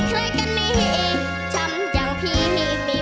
ใจก็จะขาดแล้วเอ่อ